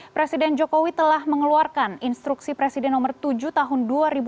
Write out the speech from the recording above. presiden jokowi telah mengeluarkan instruksi presiden nomor tujuh tahun dua ribu dua puluh